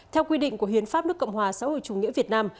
theo quy định của hiến pháp nước cộng hòa xã hội chủ nghĩa việt nam